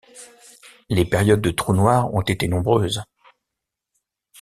Les périodes de trous noirs ont été nombreuses.